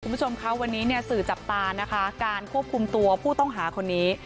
คุณผู้ชมคะวันนี้เนี่ยสื่อจับตานะคะการควบคุมตัวผู้ต้องหาคนนี้